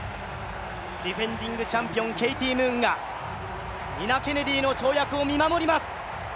ディフェンディングチャンピオンケイティ・ムーンがニナ・ケネディの跳躍を見守ります。